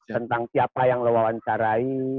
tentang siapa yang lo wawancarai